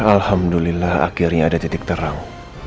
alhamdulillah akhirnya ada titik terang